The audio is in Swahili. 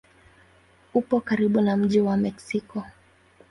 Upo karibu na mji wa Meksiko.